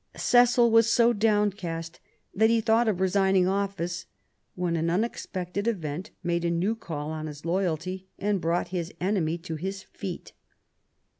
Cecil was so downcast that he thought of resigning 5 66 QUEEN ELIZABETH. office, when an unexpected event made a new call on his loyalty, and brought his enemy to his feet.